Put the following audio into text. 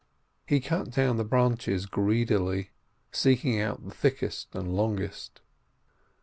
He cut down the branches greedily, seeking out the thickest and longest.